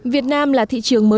việt nam là thị trường mới nổi